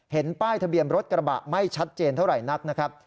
ป้ายทะเบียนรถกระบะไม่ชัดเจนเท่าไหร่นักนะครับ